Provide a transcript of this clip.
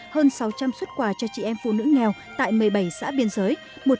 hơn sáu trăm linh xuất quà cho chị em phụ nữ nghèo tại một mươi bảy xã biên giới